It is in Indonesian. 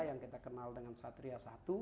yang kita kenal dengan satria satu